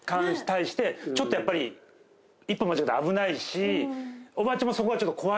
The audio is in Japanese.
ちょっとやっぱり一歩間違えたら危ないし。